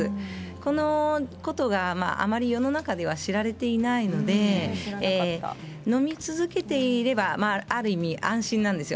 このことがあまり世の中では知られていないのでのみ続けていればある意味で安心なんですよ。